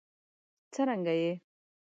څرنګه یې؟